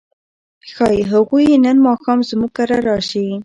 ښايي هغوی نن ماښام زموږ کره راشي.